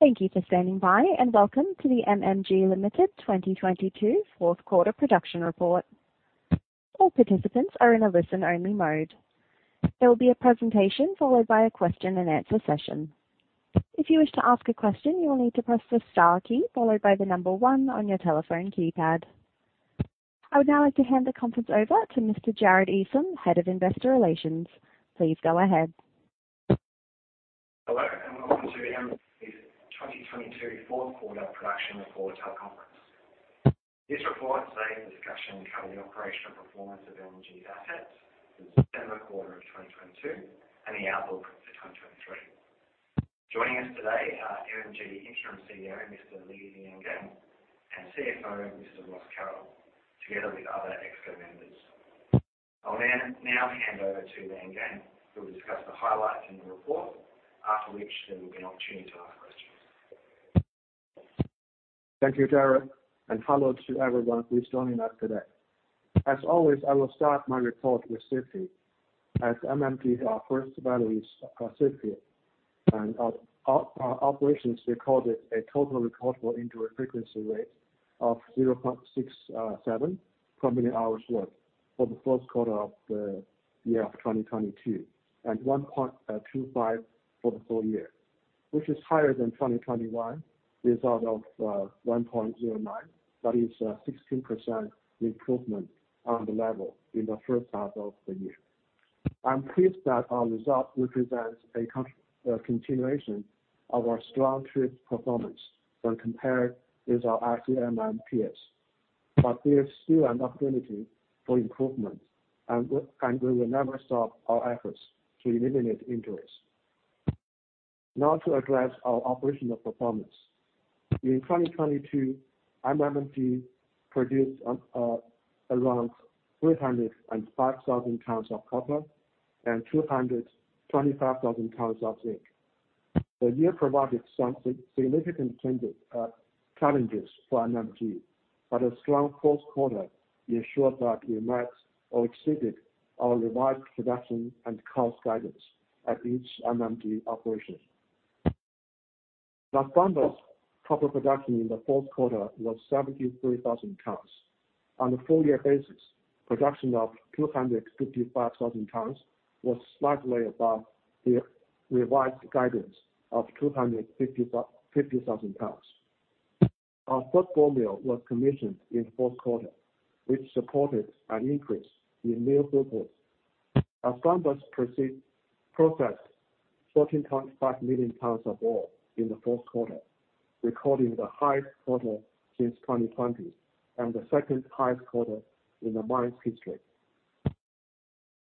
Thank you for standing by. Welcome to the MMG Limited 2022 fourth quarter production report. All participants are in a listen-only mode. There will be a presentation followed by a question-and-answer session. If you wish to ask a question, you will need to press the star key followed by the 1 on your telephone keypad. I would now like to hand the conference over to Mr. Jarod Esam, Head of Investor Relations. Please go ahead. Hello, and welcome to MMG 2022 fourth quarter production report teleconference. This report and today's discussion cover the operational performance of MMG's assets for the December quarter of 2022 and the outlook for 2023. Joining us today are MMG Interim CEO, Mr. Liangang Li, and CFO, Mr. Ross Carroll, together with other Exco members. I'll now hand over to Liangang, who will discuss the highlights in the report, after which there will be an opportunity to ask questions. Thank you, Jarod. Hello to everyone who's joining us today. As always, I will start my report with safety, as MMG, our first value is safety. Our operations recorded a total recordable injury frequency rate of 0.67 per million hours worked for the fourth quarter of 2022, and 1.25 for the full year, which is higher than 2021 result of 1.09. That is a 16% improvement on the level in the first half of the year. I'm pleased that our result represents a continuation of our strong safety performance when compared with our ICMM peers. There is still an opportunity for improvement, and we will never stop our efforts to eliminate injuries. Now to address our operational performance. In 2022, MMG produced around 305,000 tons of copper and 225,000 tons of zinc. The year provided some significant challenges for MMG, but a strong fourth quarter ensured that we matched or exceeded our revised production and cost guidance at each MMG operation. Las Bambas copper production in the fourth quarter was 73,000 tons. On a full year basis, production of 255,000 tons was slightly above the revised guidance of 250,000 tons. Our third ball mill was commissioned in the fourth quarter, which supported an increase in mill throughput. Las Bambas processed 14.5 million tons of ore in the fourth quarter, recording the highest quarter since 2020, and the second-highest quarter in the mine's history.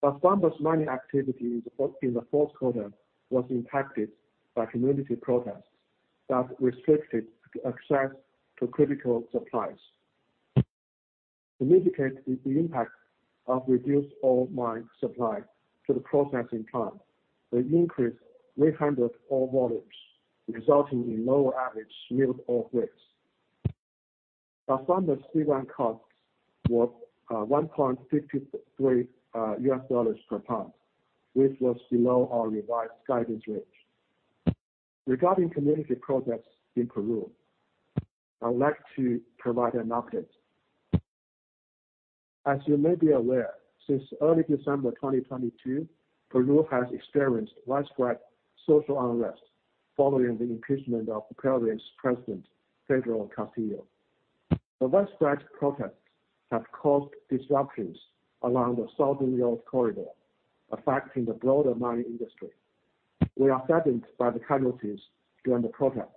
Las Bambas mining activity in the fourth quarter was impacted by community protests that restricted access to critical supplies. To mitigate the impact of reduced ore mine supply to the processing plant, they increased 300 ore volumes, resulting in lower average milled ore grades. Las Bambas C1 costs were $1.53 per ton, which was below our revised guidance range. Regarding community protests in Peru, I'd like to provide an update. As you may be aware, since early December 2022, Peru has experienced widespread social unrest following the impeachment of Peru's President Pedro Castillo. The widespread protests have caused disruptions along the southern rail corridor, affecting the broader mining industry. We are saddened by the casualties during the protests,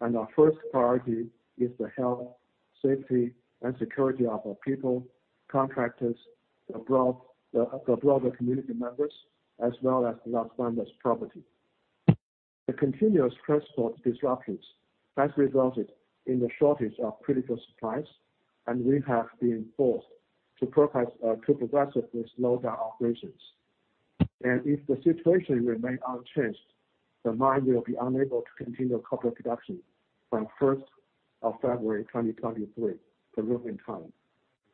our first priority is the health, safety, and security of our people, contractors, the broader community members, as well as Las Bambas' property. The continuous transport disruptions has resulted in the shortage of critical supplies, we have been forced to progressively slow down operations. If the situation remains unchanged, the mine will be unable to continue copper production from 1st of February 2023, Peruvian time,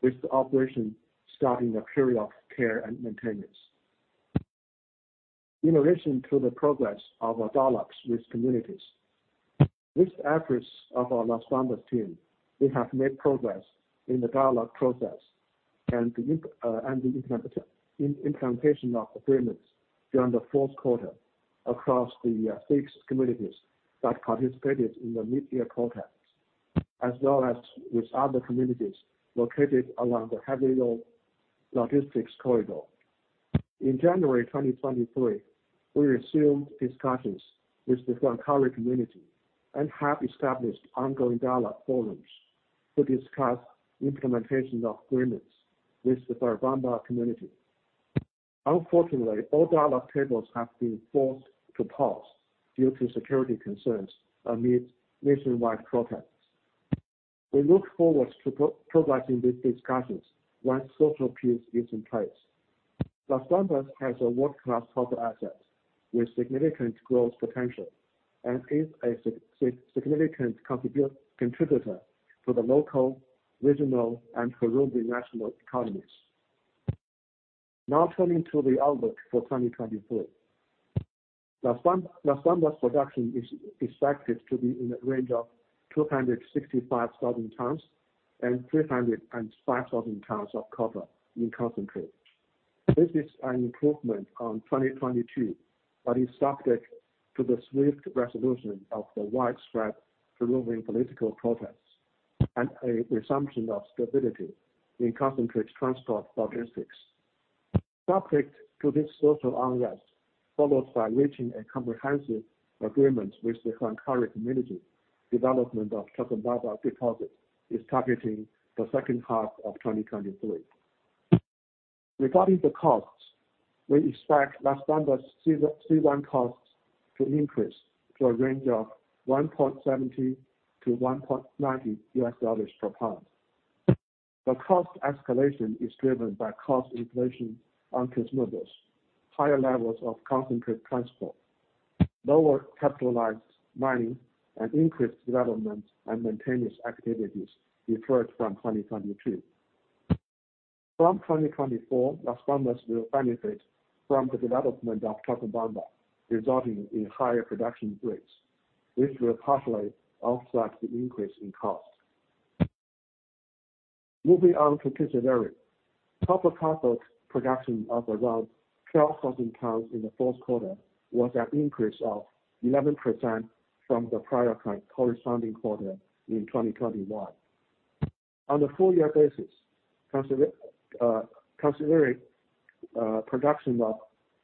with the operation starting a period of care and maintenance. In addition to the progress of our dialogues with communities, with the efforts of our Las Bambas team, we have made progress in the dialogue process and the implementation of agreements during the fourth quarter across the 6 communities that participated in the mid-year protests, as well as with other communities located along the railroad logistics corridor. In January 2023, we resumed discussions with the Francoli community and have established ongoing dialogue forums to discuss implementation of agreements with the Carabaya community. Unfortunately, all dialogue tables have been forced to pause due to security concerns amidst nationwide protests. We look forward to continuing these discussions once social peace is in place. Las Bambas has a world-class copper asset with significant growth potential and is a significant contributor to the local, regional, and Peruvian national economies. Turning to the outlook for 2023. Las Bambas, Las Bambas production is expected to be in the range of 265,000 tons and 305,000 tons of copper in concentrate. This is an improvement on 2022, but is subject to the swift resolution of the widespread Peruvian political protests and a resumption of stability in concentrate transport logistics. Subject to this social unrest, followed by reaching a comprehensive agreement with the Huancuire community, development of Chalcobamba deposit is targeting the second half of 2023. Regarding the costs, we expect Las Bambas C1 costs to increase to a range of $1.70-$1.90 per pound. The cost escalation is driven by cost inflation on consumables, higher levels of concentrate transport, lower capitalized mining and increased development and maintenance activities deferred from 2022. From 2024, Las Bambas will benefit from the development of Chalcobamba, resulting in higher production grades, which will partially offset the increase in cost. Moving on to Kinsevere. Copper cathode production of around 12,000 tons in the fourth quarter was an increase of 11% from the prior corresponding quarter in 2021. On a full year basis, Kinsevere production of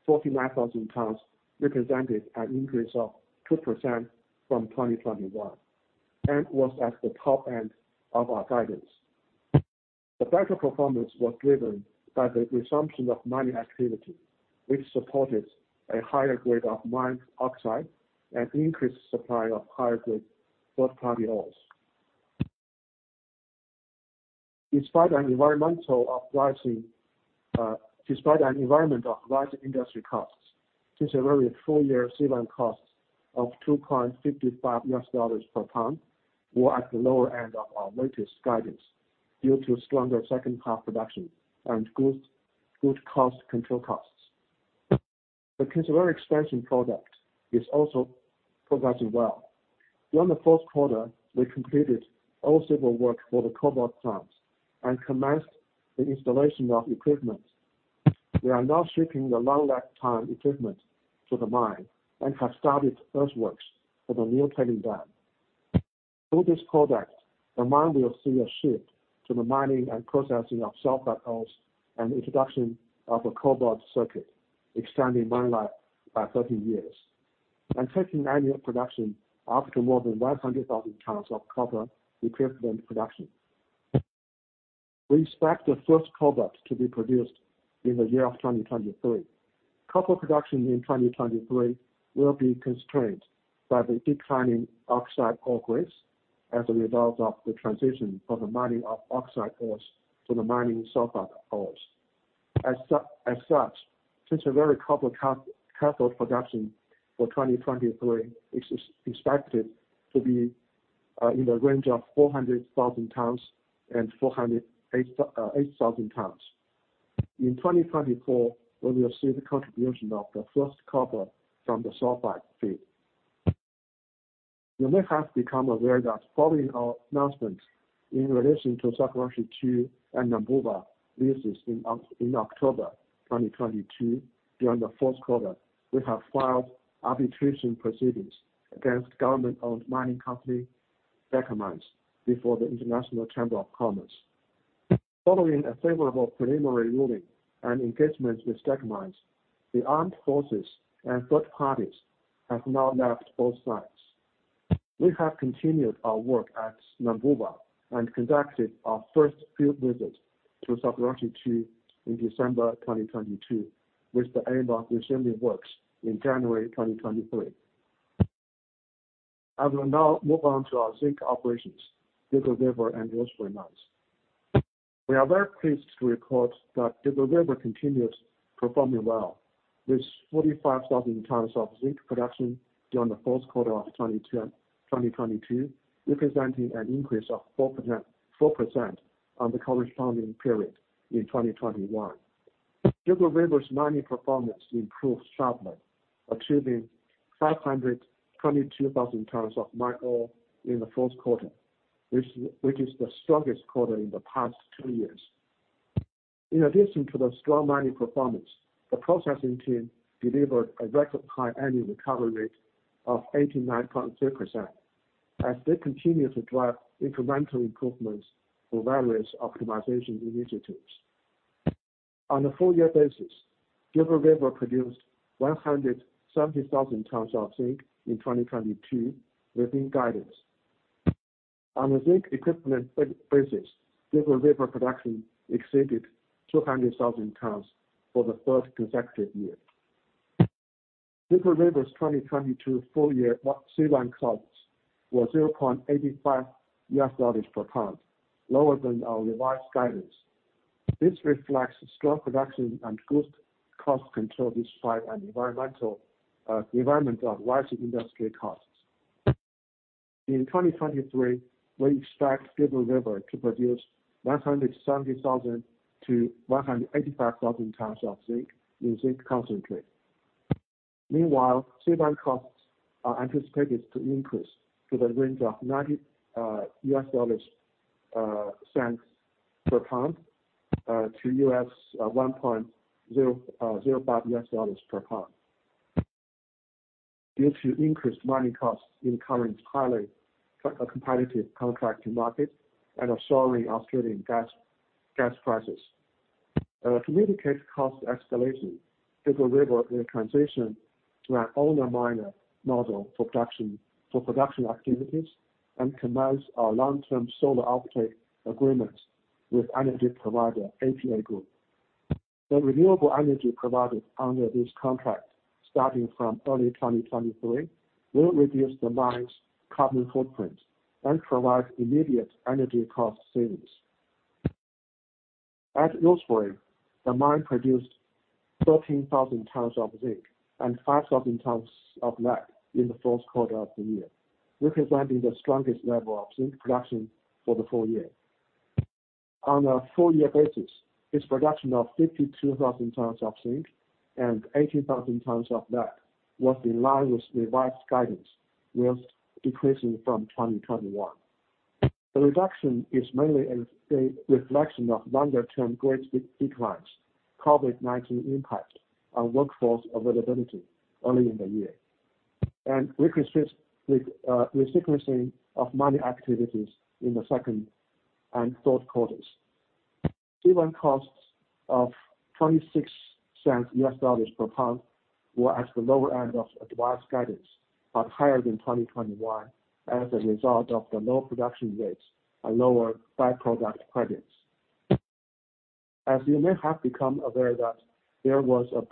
49,000 tons represented an increase of 2% from 2021, and was at the top end of our guidance. The better performance was driven by the resumption of mining activity, which supported a higher grade of mined oxide and increased supply of higher-grade third-party ores. Despite an environmental uprising... Despite an environment of rising industry costs, Kinsevere full-year C1 costs of $2.55 per pound were at the lower end of our latest guidance due to stronger second half production and good cost control costs. The Kinsevere Expansion Project is also progressing well. During the fourth quarter, we completed all civil work for the cobalt plants and commenced the installation of equipment. We are now shipping the long lead time equipment to the mine and have started earthworks for the new tailing dam. Through this project, the mine will see a shift to the mining and processing of sulfide ores and introduction of a cobalt circuit, extending mine life by 30 years, and taking annual production up to more than 100,000 tons of copper equivalent production. We expect the first cobalt to be produced in the year of 2023. Copper production in 2023 will be constrained by the declining oxide ore grades as a result of the transition from the mining of oxide ores to the mining sulfide ores. As such, Kinsevere copper cathode production for 2023 is expected to be in the range of 400,000 tons and 408,000 tons. In 2024, we will see the contribution of the first copper from the sulfide feed. You may have become aware that following our announcement in relation to Sokoroshe II and Nampundwe leases in October 2022, during the fourth quarter, we have filed arbitration proceedings against government-owned mining company Gécamines before the International Chamber of Commerce. Following a favorable preliminary ruling and engagements with Gécamines, the armed forces and third parties have now left both sites. We have continued our work at Nampundwe and conducted our first field visit to Sokoroshe II in December 2022, with the aim of resuming works in January 2023. I will now move on to our zinc operations, Dugald River and Rosebery Mines. We are very pleased to report that Dugald River continues performing well, with 45,000 tons of zinc production during the fourth quarter of 2022, representing an increase of 4% on the corresponding period in 2021. Dugald River's mining performance improved sharply, achieving 522,000 tons of mined ore in the fourth quarter, which is the strongest quarter in the past 2 years. In addition to the strong mining performance, the processing team delivered a record high annual recovery rate of 89.0% as they continue to drive incremental improvements through various optimization initiatives. On a full year basis, Dugald River produced 170,000 tons of zinc in 2022 within guidance. On a zinc equivalent basis, Dugald River production exceeded 200,000 tons for the third consecutive year. Dugald River's 2022 full year C1 costs were $0.85 per pound, lower than our revised guidance. This reflects strong production and good cost control despite an environment of rising industry costs. In 2023, we expect Dugald River to produce 170,000-185,000 tons of zinc in zinc concentrate. Meanwhile, C1 costs are anticipated to increase to the range of $0.90-$1.05 per ton. Due to increased mining costs in current highly competitive contracting market and a soaring Australian gas prices. To mitigate cost escalation, Silver River will transition to an owner miner model for production activities and commence our long-term solar offtake agreement with energy provider APA Group. The renewable energy provided under this contract, starting from early 2023, will reduce the mine's carbon footprint and provide immediate energy cost savings. At Rosebery, the mine produced 13,000 tons of zinc and 5,000 tons of lead in the 1st quarter of the year, representing the strongest level of zinc production for the full year. On a full year basis, its production of 52,000 tons of zinc and 18,000 tons of lead was in line with revised guidance, while decreasing from 2021. The reduction is mainly a reflection of longer-term grade declines, COVID-19 impact on workforce availability early in the year. we consist with the sequencing of mining activities in the second and third quarters. C1 costs of $0.26 per ton were at the lower end of advised guidance, but higher than 2021 as a result of the low production rates and lower by-product credits. As you may have become aware that there was a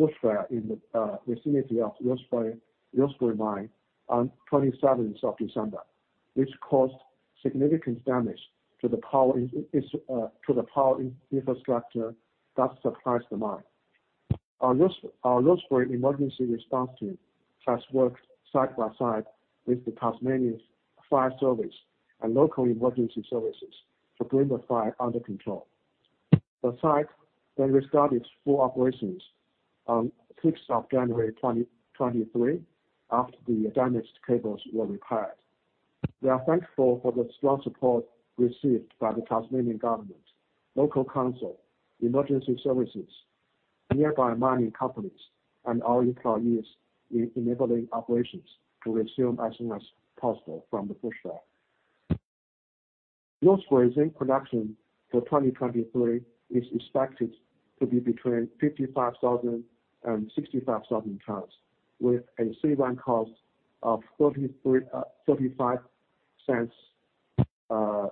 bushfire in the vicinity of Rosebery mine on 27th of December, which caused significant damage to the power infrastructure that supplies the mine. Our Rosebery emergency response team has worked side by side with the Tasmanian Fire Service and local emergency services to bring the fire under control. The site restarted full operations on 6th of January 2023 after the damaged cables were repaired. We are thankful for the strong support received by the Tasmanian Government, local council, emergency services, nearby mining companies and our employees in enabling operations to resume as soon as possible from the bushfire. Rosebery zinc production for 2023 is expected to be between 55,000 and 65,000 tons, with a C1 cost of $0.45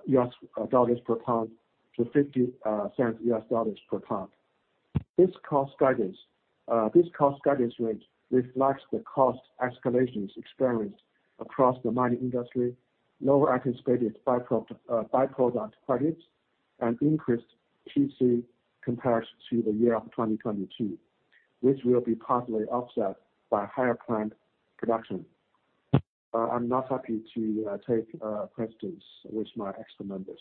US dollars per ton to $0.50 US dollars per ton. This cost guidance range reflects the cost escalations experienced across the mining industry, lower anticipated by-product credits and increased QC compared to the year of 2022, which will be partially offset by higher plant production. I'm now happy to take questions with my expert members.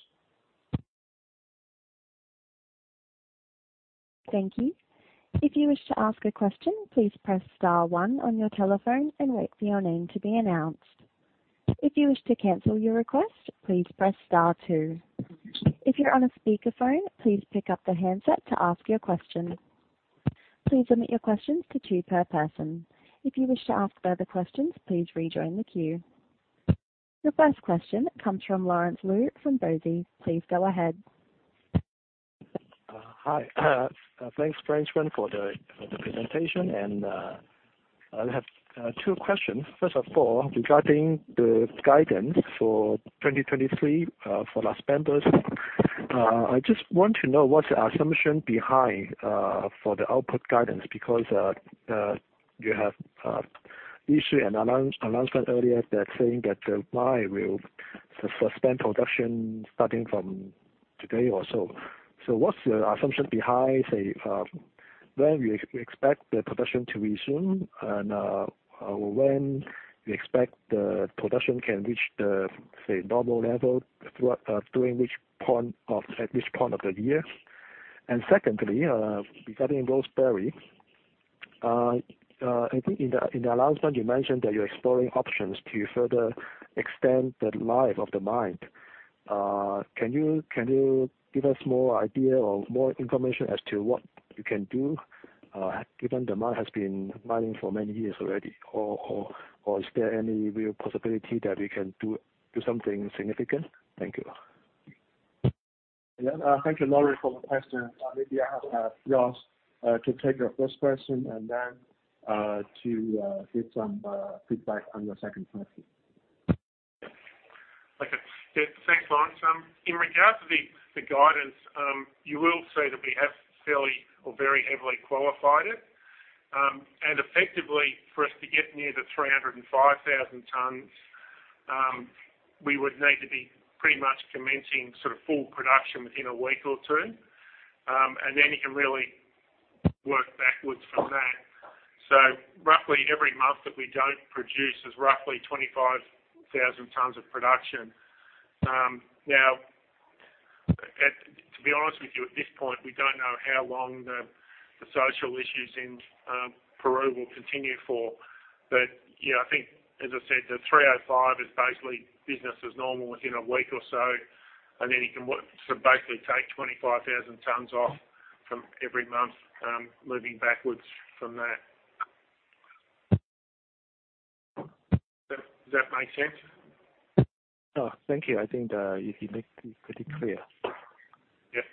Thank you. If you wish to ask a question, please press star one on your telephone and wait for your name to be announced. If you wish to cancel your request, please press star two. If you're on a speakerphone, please pick up the handset to ask your question. Please limit your questions to 2 per person. If you wish to ask further questions, please rejoin the queue. Your first question comes from Lawrence Lau from BOCI. Please go ahead. Hi. Thanks, Liangang, for the presentation. I have 2 questions. First of all, regarding the guidance for 2023 for Las Bambas. I just want to know what's the assumption behind for the output guidance. You have issued an announcement earlier that saying that the mine will suspend production starting from today or so. What's the assumption behind, say, when you expect the production to resume and when you expect the production can reach the, say, normal level at which point of the year? Secondly, regarding Rosebery. I think in the announcement you mentioned that you're exploring options to further extend the life of the mine. Can you give us more idea or more information as to what you can do, given the mine has been mining for many years already? Or is there any real possibility that we can do something significant? Thank you. Thank you, Lawrence, for the question. Maybe I'll have Ross to take your first question and then to give some feedback on your second question. Okay. Yes, thanks, Lawrence. In regard to the guidance, you will see that we have fairly or very heavily qualified it. Effectively for us to get near the 305,000 tons, we would need to be pretty much commencing sort of full production within a week or two. Then you can really. Work backwards from that. Roughly every month that we don't produce is roughly 25,000 tons of production. Now, to be honest with you, at this point, we don't know how long the social issues in Peru will continue for. Yeah, I think as I said, the 305 is basically business as normal within a week or so, and then you can so basically take 25,000 tons off from every month, moving backwards from that. Does that make sense? Oh, thank you. I think you did make it pretty clear. Yeah.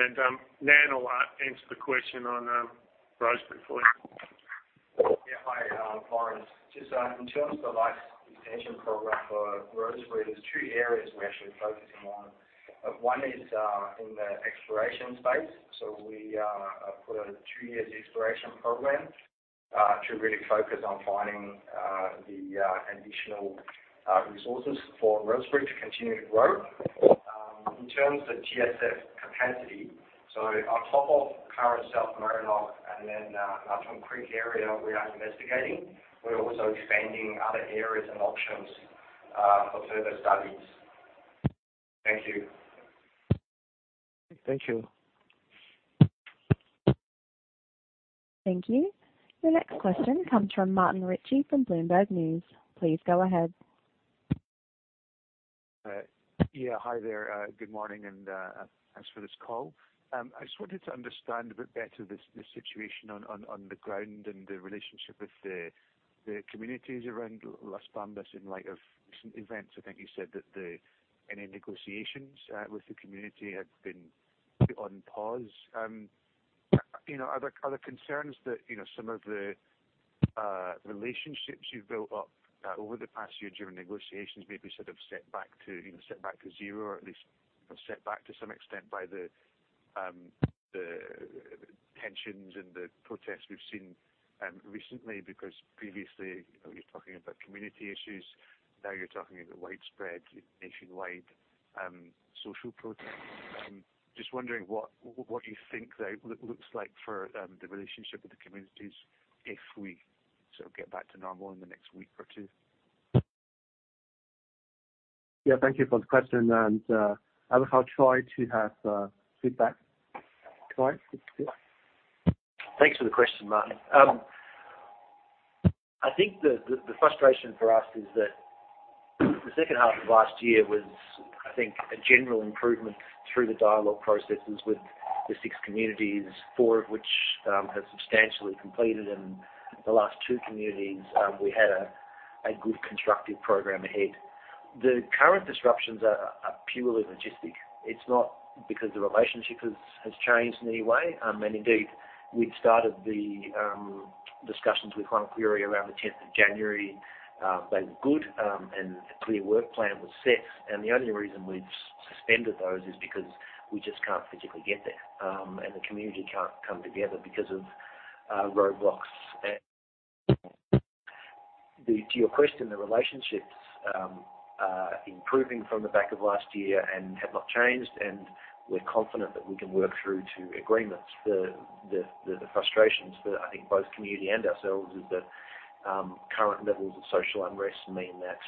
Nan will answer the question on Rosebery for you. Yeah. Hi, Lawrence. Just, in terms of life extension program for Rosebery, there's two areas we're actually focusing on. One is in the exploration space. We are put a two-year exploration program to really focus on finding the additional resources for Rosebery to continue to grow. In terms of GSF capacity, on top of current South Murchison and Uptown Creek area we are investigating, we're also expanding other areas and options for further studies. Thank you. Thank you. Thank you. The next question comes from Martin Ritchie from Bloomberg News. Please go ahead. Yeah, hi there. Good morning, and thanks for this call. I just wanted to understand a bit better this situation on the ground and the relationship with the communities around Las Bambas in light of recent events. I think you said that any negotiations with the community had been put on pause. You know, are there concerns that, you know, some of the relationships you've built up over the past year during negotiations may be sort of set back to, you know, set back to zero or at least sort of set back to some extent by the tensions and the protests we've seen recently? Previously, you know, you're talking about community issues. Now you're talking about widespread nationwide social protests. Just wondering what you think that looks like for the relationship with the communities if we sort of get back to normal in the next week or two? Yeah, thank you for the question. I will now try to have feedback. Nan, it's you. Thanks for the question, Martin. I think the frustration for us is that the second half of last year was, I think, a general improvement through the dialogue processes with the 6 communities, 4 of which, have substantially completed, and the last 2 communities, we had a good constructive program ahead. The current disruptions are purely logistic. It's not because the relationship has changed in any way. Indeed, we'd started the discussions with Huancuire around the 10th of January. They were good, and a clear work plan was set. The only reason we've suspended those is because we just can't physically get there, and the community can't come together because of roadblocks. And the... To your question, the relationships are improving from the back of last year and have not changed, and we're confident that we can work through to agreements. The frustrations for, I think, both community and ourselves is that current levels of social unrest mean that,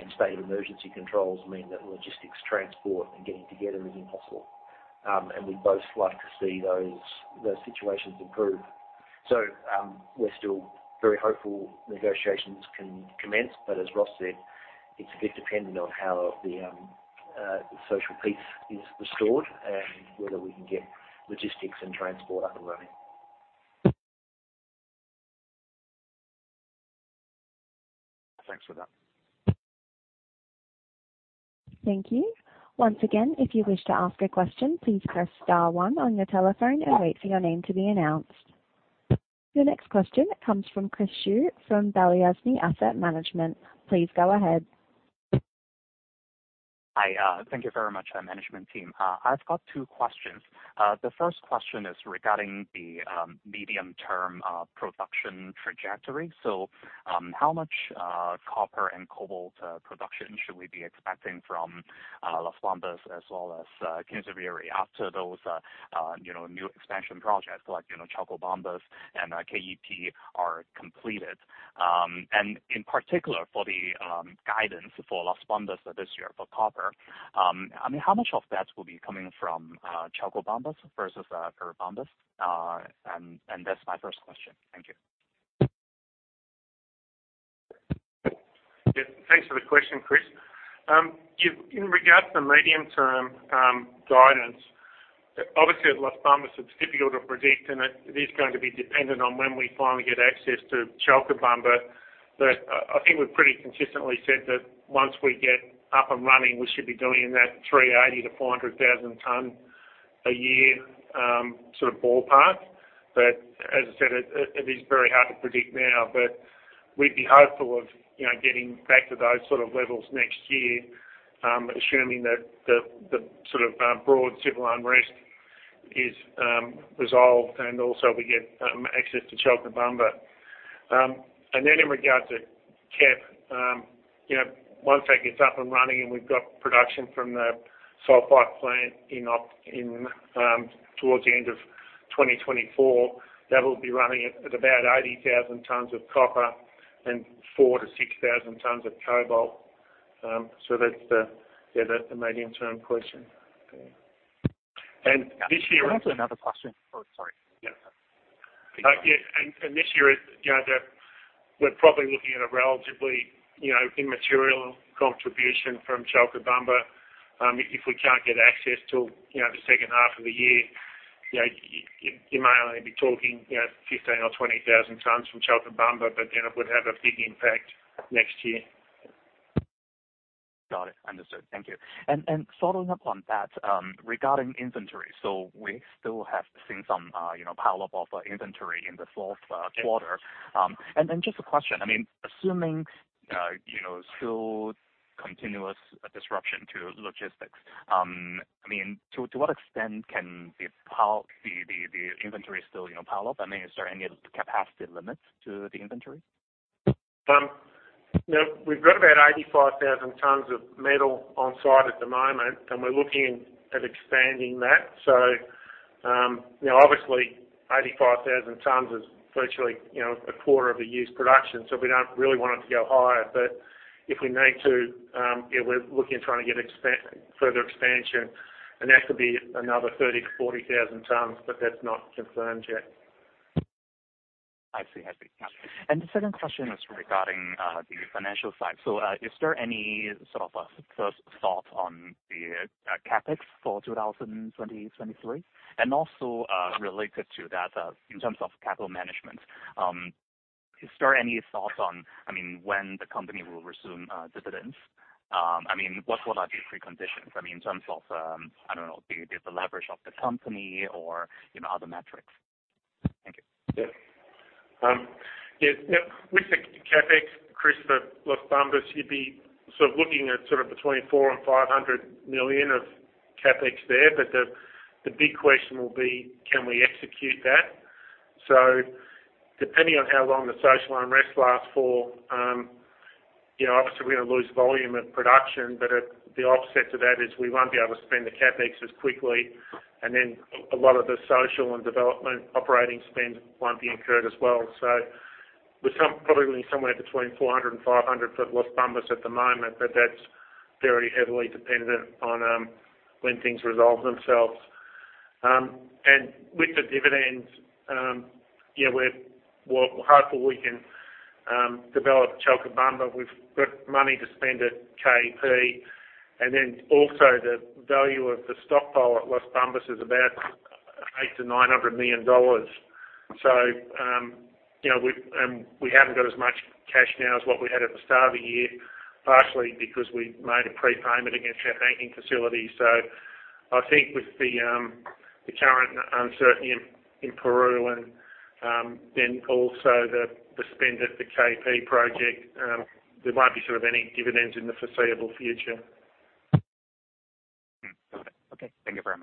and state of emergency controls mean that logistics, transport, and getting together is impossible. We'd both like to see those situations improve. We're still very hopeful negotiations can commence, but as Ross said, it's a bit dependent on how the social peace is restored and whether we can get logistics and transport up and running. Thanks for that. Thank you. Once again, if you wish to ask a question, please press star one on your telephone and wait for your name to be announced. Your next question comes from Chris Xu from Balyasny Asset Management. Please go ahead. Hi. Thank you very much, management team. I've got two questions. The first question is regarding the medium-term production trajectory. How much copper and cobalt production should we be expecting from Las Bambas as well as Kinsevere after those, you know, new expansion projects like, you know, Chalcobamba and KEP are completed? In particular, for the guidance for Las Bambas this year for copper, I mean, how much of that will be coming from Chalcobamba versus Ferrobamba? That's my first question. Thank you. Yeah. Thanks for the question, Chris. In regards to medium-term guidance, obviously at Las Bambas it's difficult to predict, and it is going to be dependent on when we finally get access to Chalcobamba. I think we've pretty consistently said that once we get up and running, we should be doing that 380,000-400,000 tons a year, sort of ballpark. As I said, it is very hard to predict now. We'd be hopeful of, you know, getting back to those sort of levels next year, assuming that the sort of, broad civil unrest is resolved and also we get access to Chalcobamba. Then in regard to KEP, you know, once that gets up and running and we've got production from the sulfide plant in towards the end of 2024, that will be running at about 80,000 tons of copper and 4,000-6,000 tons of cobalt. So that's the... Yeah, that's the medium-term question. This year- Can I ask another question? Oh, sorry. Yeah. Yeah, this year, you know, we're probably looking at a relatively, you know, immaterial contribution from Chalcobamba. If we can't get access till, you know, the second half of the year, you know, you may only be talking, you know, 15 or 20,000 tons from Chalcobamba, but, you know, it would have a big impact next year. Got it. Understood. Thank you. Following up on that, regarding inventory, we still have seen some, you know, pileup of inventory in the fourth quarter. Just a question, I mean, assuming, you know, still continuous disruption to logistics, I mean, to what extent can the inventory still, you know, pile up? I mean, is there any capacity limits to the inventory? You know, we've got about 85,000 tons of metal on site at the moment, and we're looking at expanding that. You know, obviously, 85,000 tons is virtually, you know, a quarter of a year's production, so we don't really want it to go higher. If we need to, we're looking at trying to get further expansion, and that could be another 30,000-40,000 tons, but that's not confirmed yet. I see. I see. Got you. The second question is regarding the financial side. Is there any sort of first thought on the CapEx for 2023? Also, related to that, in terms of capital management, is there any thoughts on, I mean, when the company will resume dividends? I mean, what would are the preconditions, I mean, in terms of I don't know, the leverage of the company or, you know, other metrics? Thank you. Yeah. With the CapEx, Chris, at Las Bambas, you'd be sort of looking at sort of between $400 million and $500 million of CapEx there. The big question will be, can we execute that? Depending on how long the social unrest lasts for, you know, obviously, we're gonna lose volume and production, the offset to that is we won't be able to spend the CapEx as quickly. A lot of the social and development operating spend won't be incurred as well. We're probably looking somewhere between $400 and $500 for Las Bambas at the moment, that's very heavily dependent on when things resolve themselves. With the dividends, yeah, we're hopeful we can develop Chalcobamba. We've got money to spend at KEP. Also the value of the stockpile at Las Bambas is about $800 million-$900 million. You know, we haven't got as much cash now as what we had at the start of the year, partially because we made a prepayment against our banking facility. I think with the current uncertainty in Peru, also the spend at the KEP project, there won't be sort of any dividends in the foreseeable future. Okay. Thank you very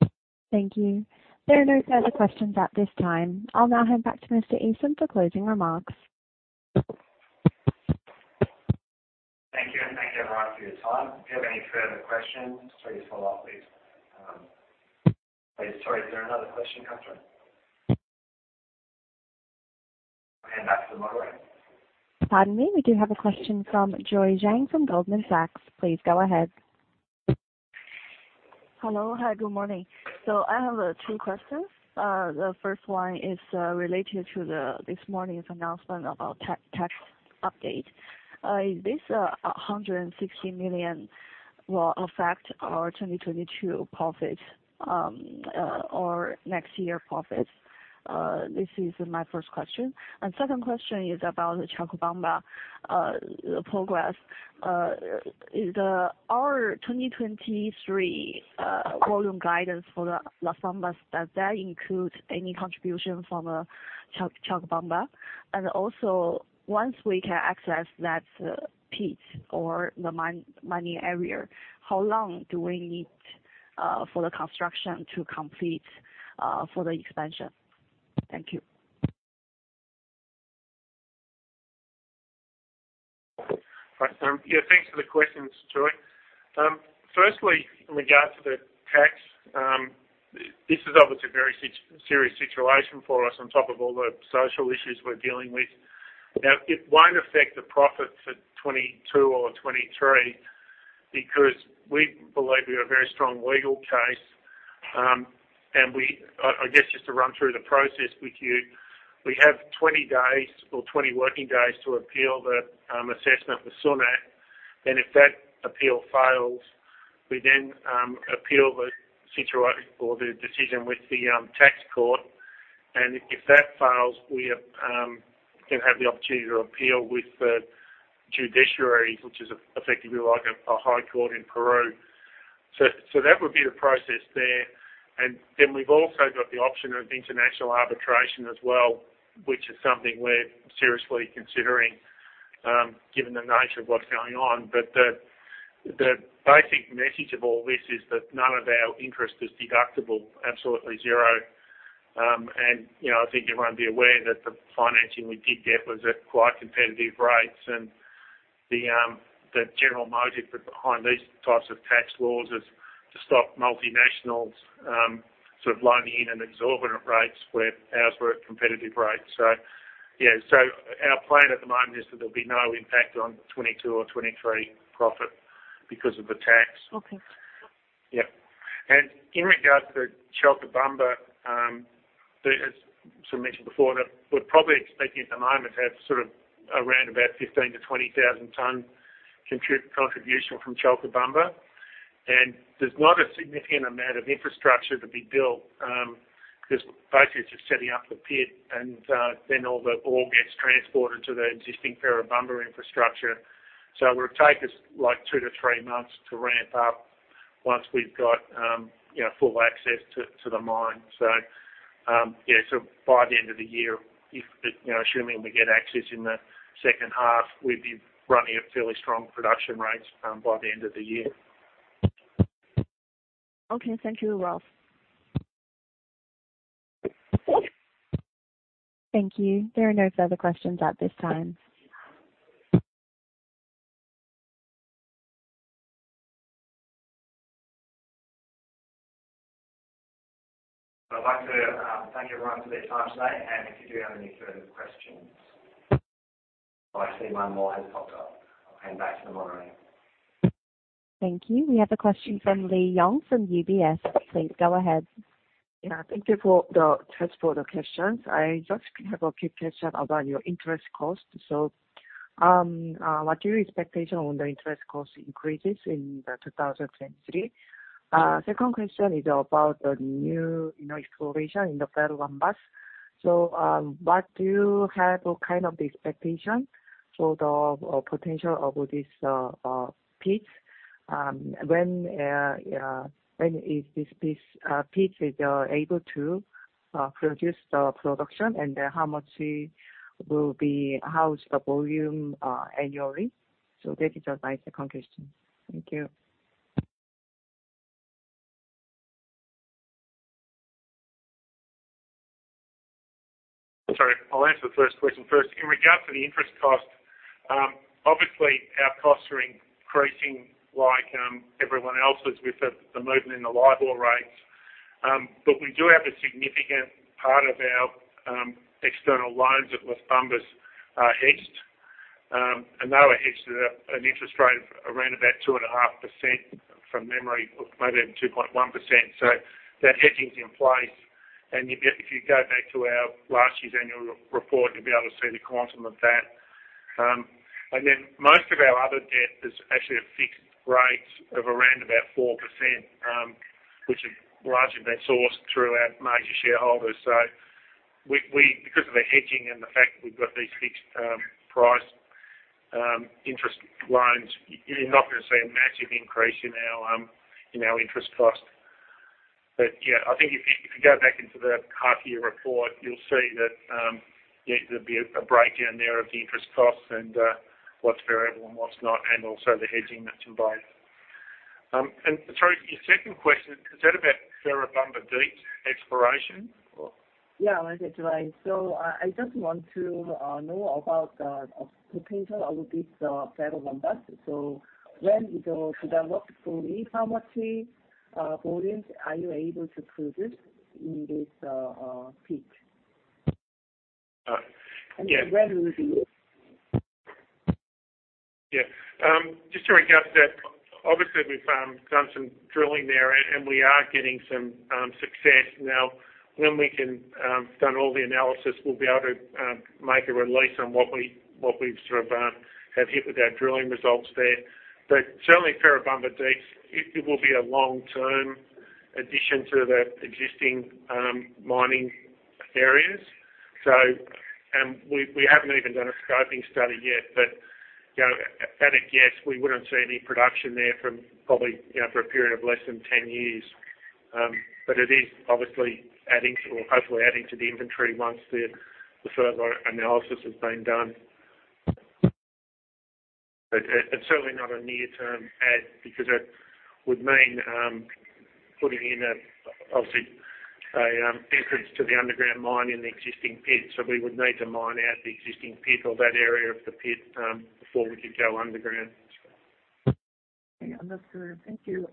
much. Thank you. There are no further questions at this time. I'll now hand back to Mr. Esam for closing remarks. Thank you, and thank you everyone for your time. If you have any further questions, please follow up, please. Sorry, is there another question come through? Hand back to the moderator. Pardon me. We do have a question from Joy Zhang from Goldman Sachs. Please go ahead. Hello. Hi, good morning. I have 2 questions. The first one is related to the this morning's announcement about tax update. Is this $160 million will affect our 2022 profit or next year profits? This is my first question. Second question is about the Chalcobamba progress. Is our 2023 volume guidance for the Las Bambas, does that include any contribution from Chalcobamba? Once we can access that pit or the mining area, how long do we need for the construction to complete for the expansion? Thank you. Right. Yeah, thanks for the questions, Joy. Firstly, in regard to the tax, this is obviously a very serious situation for us on top of all the social issues we're dealing with. Now, it won't affect the profit for 2022 or 2023 because we believe we have a very strong legal case. I guess just to run through the process with you, we have 20 days or 20 working days to appeal the assessment with SUNAT. If that appeal fails, we then appeal the situation or the decision with the tax court. If that fails, we can have the opportunity to appeal with the judiciary, which is effectively like a high court in Peru. That would be the process there. Then we've also got the option of international arbitration as well, which is something we're seriously considering, given the nature of what's going on. The basic message of all this is that none of our interest is deductible. Absolutely zero. You know, I think everyone be aware that the financing we did get was at quite competitive rates and the general motive behind these types of tax laws is to stop multinationals, sort of loaning in an exorbitant rates where ours were at competitive rates. Yeah. Our plan at the moment is that there'll be no impact on the 2022 or 2023 profit because of the tax. Okay. In regard to Chalcobamba, the, as sort of mentioned before, that we're probably expecting at the moment to have sort of around about 15,000-20,000 tons contribution from Chalcobamba. There's not a significant amount of infrastructure to be built, because basically it's just setting up the pit and all the ore gets transported to the existing Ferrobamba infrastructure. It would take us, like, 2-3 months to ramp up once we've got, you know, full access to the mine. By the end of the year, if it, you know, assuming we get access in the second half, we'd be running at fairly strong production rates by the end of the year. Okay. Thank you, Ross. Thank you. There are no further questions at this time. I'd like to thank everyone for their time today, and if you do have any further questions. Oh, I see one more has popped up. I'll hand back to the moderator. Thank you. We have a question from Lee Yong from UBS. Please go ahead. Thank you for the questions. I just have a quick question about your interest cost. What's your expectation on the interest cost increases in 2003? Second question is about the new, you know, exploration in the Ferrobamba. What do you have or kind of the expectation for the potential of this pit? When is this pit able to produce the production and how much it will be, how's the volume annually? That is my second question. Thank you. Sorry. I'll answer the first question first. In regard to the interest cost, obviously our costs are increasing like everyone else's with the movement in the LIBOR rates. We do have a significant part of our external loans at Las Bambas are hedged, and they were hedged at an interest rate of around about 2.5% from memory, or maybe even 2.1%. That hedging's in place. If you go back to our last year's annual re-report, you'll be able to see the quantum of that. Most of our other debt is actually at fixed rates of around about 4%, which have largely been sourced through our major shareholders. We because of the hedging and the fact that we've got these fixed, price, interest loans, you're not gonna see a massive increase in our, in our interest cost. Yeah, I think if you, if you go back into the half year report, you'll see that, yeah, there'd be a breakdown there of the interest costs and what's variable and what's not, and also the hedging that's in place. Sorry, your second question, is that about Ferrobamba Deep exploration? Yeah, that's right. I just want to know about the potential of this Ferrobamba. When it will develop fully, how much volumes are you able to produce in this pit? Yeah. When will be it? Yeah. Just to recap that, obviously we've done some drilling there and we are getting some success. Now, when we can done all the analysis, we'll be able to make a release on what we've sort of have hit with our drilling results there. Certainly Ferrobamba Deep, it will be a long-term addition to the existing mining areas. We, we haven't even done a scoping study yet. You know, at a guess, we wouldn't see any production there from probably, you know, for a period of less than 10 years. It is obviously adding to or hopefully adding to the inventory once the further analysis has been done. It's certainly not a near-term add because it would mean, putting in a, obviously a, entrance to the underground mine in the existing pit. We would need to mine out the existing pit or that area of the pit, before we could go underground. Okay, that's clear. Thank you.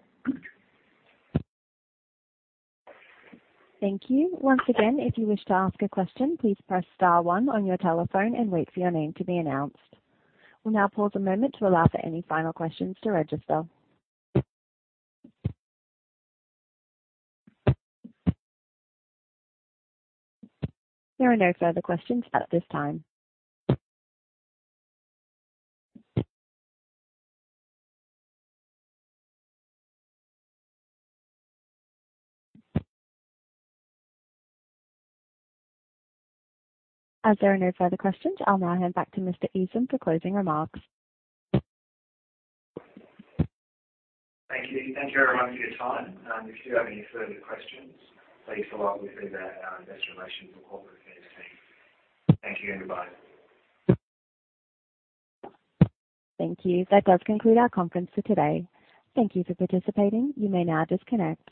Thank you. Once again, if you wish to ask a question, please press star one on your telephone and wait for your name to be announced. We'll now pause a moment to allow for any final questions to register. There are no further questions at this time. As there are no further questions, I'll now hand back to Mr. Esam for closing remarks. Thank you. Thank you, everyone for your time. If you do have any further questions, please follow up with either our investor relations or corporate affairs team. Thank you, everybody. Thank you. That does conclude our conference for today. Thank you for participating. You may now disconnect.